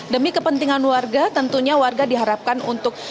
demi kepentingan warga tentunya warga diharapkan untuk